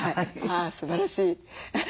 あすばらしい。